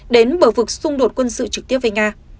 đến bờ vực xung đột quân sự trực tiếp với nga